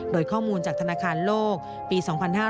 โดยข้อมูลจากธนาคารโลกปี๒๕๕๙